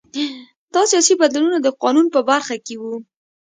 دا سیاسي بدلونونه د قانون په برخه کې وو